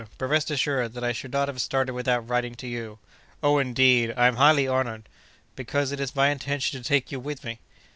But rest assured that I should not have started without writing to you." "Oh, indeed! I'm highly honored." "Because it is my intention to take you with me."